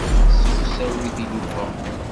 Nessemsawi tilufa.